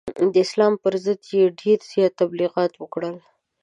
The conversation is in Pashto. د اسلام پر ضد یې ډېر زیات تبلغیات وکړل.